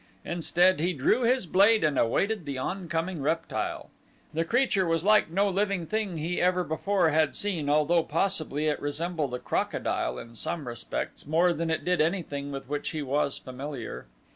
Instead he drew his blade and awaited the oncoming reptile. The creature was like no living thing he ever before had seen although possibly it resembled a crocodile in some respects more than it did anything with which he was familiar.